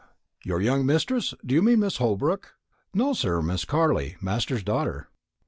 "Your young mistress; do you mean Mrs. Holbrook?" "No, sir; Miss Carley, master's daughter."